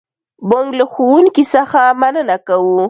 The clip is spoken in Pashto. موږ له ښوونکي څخه مننه کوو.